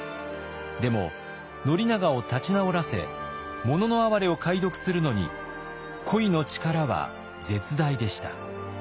でも宣長を立ち直らせ「もののあはれ」を解読するのに恋の力は絶大でした。